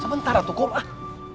sebentar aku tukung